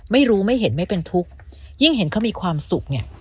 ไม่รู้ไม่เห็นไม่เป็นทุกข์ยิ่งเห็นเขามีความสุขเนี่ย